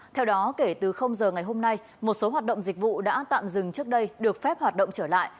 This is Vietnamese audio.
theo đó kể từ giờ ngày hôm nay một số hoạt động dịch vụ đã tạm dừng trước đây được phép hoạt động trở lại